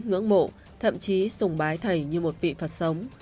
ngưỡng mộ thậm chí sùng bái thầy như một vị phật sống